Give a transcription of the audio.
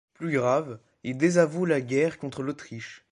Plus grave, il désavoue la guerre contre l'Autriche.